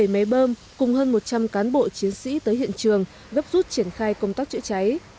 bảy máy bơm cùng hơn một trăm linh cán bộ chiến sĩ tới hiện trường gấp rút triển khai công tác chữa cháy